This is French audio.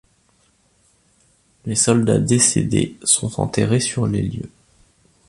Les soldats décédés sont enterrés sur les lieux.